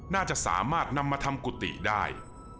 น่าจะสามารถนำมาทำกุฏิได้